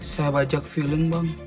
saya bajak film bang